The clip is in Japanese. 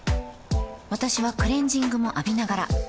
私はクレジングも浴びながら